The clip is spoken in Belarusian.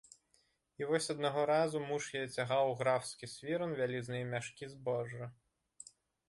І вось аднаго разу муж яе цягаў у графскі свіран вялізныя мяшкі збожжа.